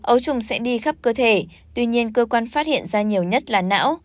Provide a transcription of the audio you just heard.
ấu trùng sẽ đi khắp cơ thể tuy nhiên cơ quan phát hiện ra nhiều nhất là não